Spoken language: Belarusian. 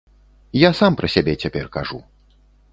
Я сам пра сябе цяпер кажу.